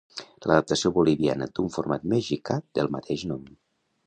L'adaptació boliviana d'un format mexicà del mateix nom.